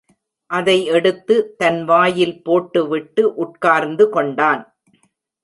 அதை எடுத்து, தன் வாயில் போட்டுவிட்டு, உட்கார்ந்துகொண்டான்.